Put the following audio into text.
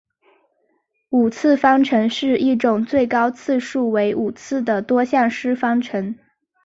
五次方程是一种最高次数为五次的多项式方程。